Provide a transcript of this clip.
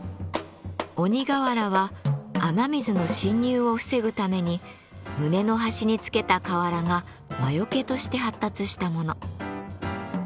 鬼瓦は雨水の浸入を防ぐために棟の端につけた瓦が魔よけとして発達したもの。